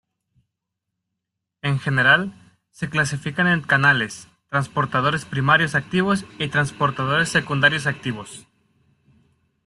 En general, se clasifican en canales, transportadores primarios activos y transportadores secundarios activos.